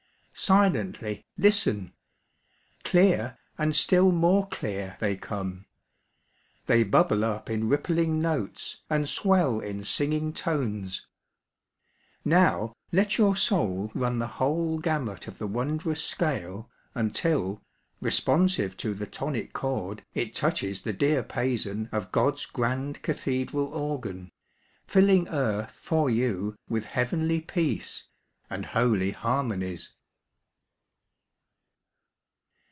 Silently listen! Clear, and still more clear, they come. They bubble up in rippling notes, and swell in singing tones. Now let your soul run the whole gamut of the wondrous scale Until, responsive to the tonic chord, It touches the diapason of God's grand cathedral organ, Filling earth for you with heavenly peace And holy harmonies.